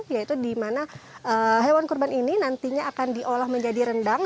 yaitu di mana hewan kurban ini nantinya akan diolah menjadi rendang